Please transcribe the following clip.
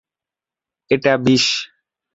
এটা বিষ!